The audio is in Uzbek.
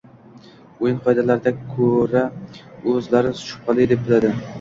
Oʻyin qoidalarida koʻra oʻzlari shubhali deb biladi